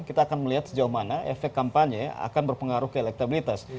kita akan melihat sejauh mana efek kampanye akan berpengaruh ke elektabilitas